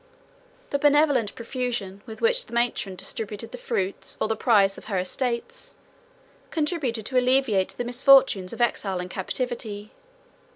The benevolent profusion with which the matron distributed the fruits, or the price, of her estates, contributed to alleviate the misfortunes of exile and captivity.